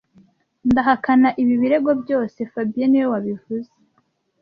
Ndahakana ibi birego byose fabien niwe wabivuze